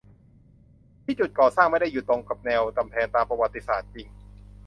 ที่จุดก่อสร้างไม่ได้อยู่ตรงกับแนวกำแพงตามประวัติศาสตร์จริง